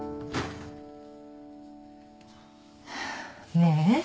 ねえ。